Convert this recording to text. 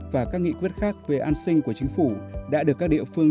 và các nghị quyết khác về an sinh của chính phủ đã được các địa phương